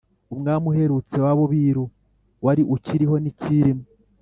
umwami uherutse w'abo biru wari ukiriho ni cyilima